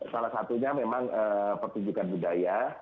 salah satunya memang pertunjukan budaya